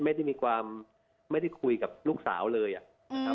ไม่ได้มีความไม่ได้คุยกับลูกสาวเลยนะครับ